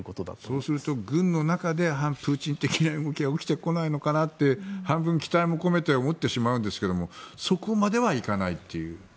そうすると軍の中で反プーチン的な動きが起きてこないのかなって半分期待も込めて思ってしまうんですがそこまではいかないと。